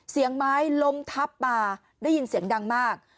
เสียงไม้ล้มทับมาได้ยินเสียงดังมาก